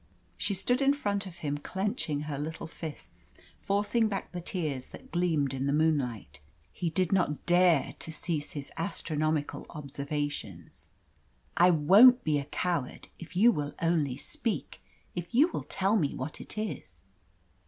She stood in front of him, clenching her little fists, forcing back the tears that gleamed in the moonlight. He did not dare to cease his astronomical observations. "I WON'T be a coward if you will only speak. If you will tell me what it is."